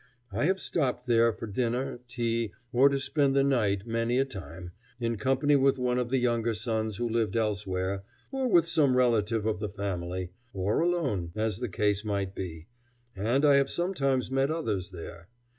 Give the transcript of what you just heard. I have stopped there for dinner, tea, or to spend the night many a time, in company with one of the younger sons who lived elsewhere, or with some relative of the family, or alone, as the case might be, and I have sometimes met others there.